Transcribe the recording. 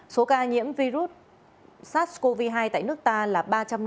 số ca nhiễm virus sars cov hai tại nước ta là ba trăm năm mươi